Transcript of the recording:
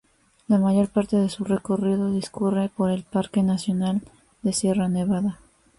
La mayor parte de su recorrido discurre por el Parque nacional de Sierra Nevada.